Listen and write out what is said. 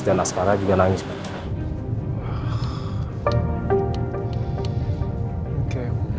dan asfara juga nangis pak